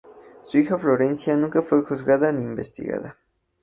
Su hija Florencia nunca fue juzgada ni investigada.